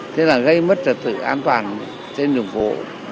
thế là gây mất trật tự an toàn trên đường phố